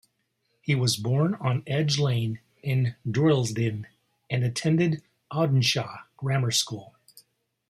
He was born on Edge Lane in Droylsden and attended Audenshaw Grammar School.